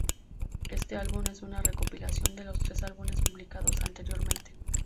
Este álbum es una recopilación de los tres álbumes publicados anteriormente.